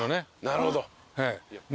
なるほど。